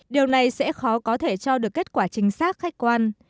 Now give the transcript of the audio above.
điều này sẽ khó có thể cho được kết quả chính xác khách quan